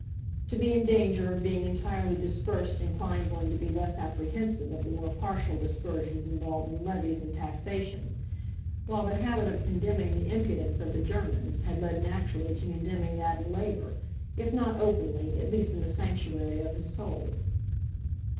To be in danger of being entirely dispersed inclined one to be less apprehensive of the more partial dispersions involved in levies and taxation, while the habit of condemning the impudence of the Germans had led naturally to condemning that of Labour, if not openly at least in the sanctuary of his soul.